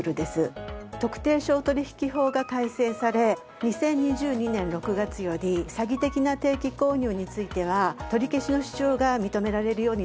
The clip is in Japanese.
特定商取引法が改正され２０２２年６月より詐欺的な定期購入については取り消しの主張が認められるようになりました。